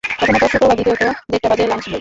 প্রথমত শুক্রবার, দ্বিতীয়ত দেড়টা বাজে, লাঞ্চ ব্রেক।